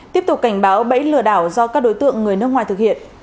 tiếp tục cảnh báo bẫy lừa đảo do các đối tượng người nước ngoài thực hiện